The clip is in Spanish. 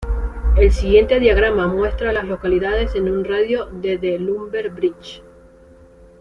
El siguiente diagrama muestra a las localidades en un radio de de Lumber Bridge.